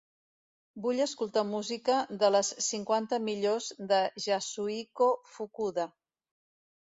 Vull escoltar música de les cinquanta millors de Yasuhiko Fukuda